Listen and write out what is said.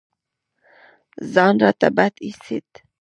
ځان راته بد اېسېد.